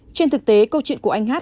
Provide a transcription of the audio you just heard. trên thực tế câu chuyện của anh hát